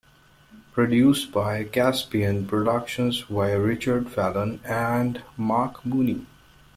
Produced by Caspian Productions via Richard Fallon and Mark Mooney.